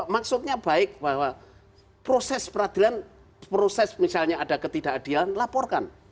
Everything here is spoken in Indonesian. maksudnya baik bahwa proses peradilan proses misalnya ada ketidakadilan laporkan